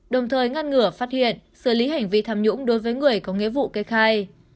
đồng thời ngăn ngừa phát hiện xử lý hành vi tham nhũng đối với người có nghĩa vụ kê khai